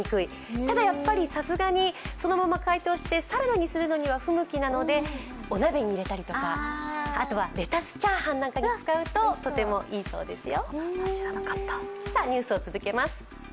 ただ、さすがにそのまま解凍してサラダにするのは不向きなのでお鍋に入れたりとか、あとはレタスチャーハンなんかに使うととてもいいそうですよ。